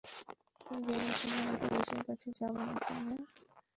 তুই ভেবেছিস আমি পুলিশের কাছে যাবো না, তাই না?